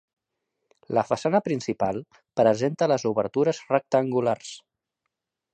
La façana principal presenta les obertures rectangulars.